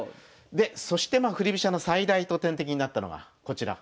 そしてまあ振り飛車の最大の天敵になったのがこちら。